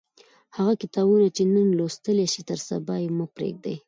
هغه کتابونه چې نن لوستلای شئ تر سبا یې مه پریږدئ.